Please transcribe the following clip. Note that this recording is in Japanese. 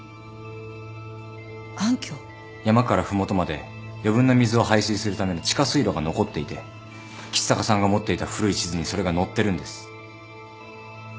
山から麓まで余分な水を排水するための地下水路が残っていて橘高さんが持っていた古い地図にそれが載ってるんです。